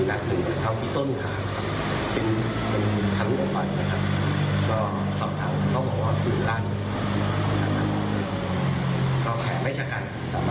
แต่แหละทำได้เหมือนดูอาการที่โรงพยาบอุทัย